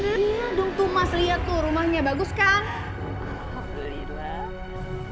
lihat tuh mas rumahnya bagus kan